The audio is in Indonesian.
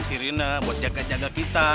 sirine buat jaga jaga kita